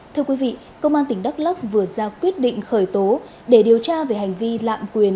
thưa quý vị công an tỉnh đắk lắc vừa ra quyết định khởi tố để điều tra về hành vi lạm quyền